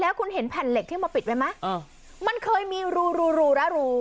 แล้วคุณเห็นแผ่นเหล็กที่มาปิดไว้ไหมมันเคยมีรู